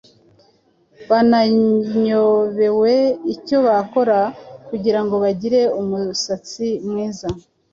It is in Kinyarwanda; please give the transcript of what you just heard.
banayobewe icyo bakora kugirango bagire umusatsi mwiza